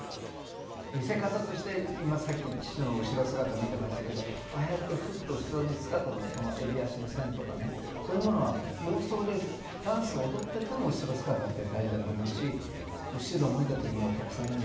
見せ方として今さっき父の後ろ姿見てましたけどああやってふっと後ろ姿のこの襟足の線とかねそういうものは洋装でダンス踊ってても後ろ姿って大事だと思うし。